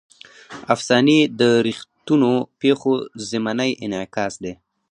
افسانې د ریښتونو پېښو ضمني انعکاس دی.